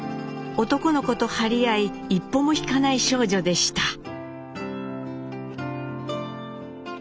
男の子と張り合い一歩も引かない少女でした。